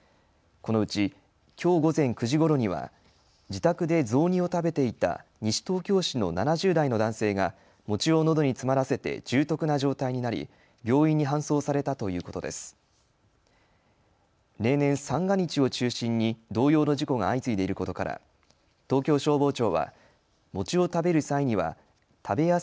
このうち、きょう午前９時ごろには自宅で雑煮を食べていた西東京市の７０代の男性が餅をのどに詰まらせて重篤な状態になり病院に搬送されたということです。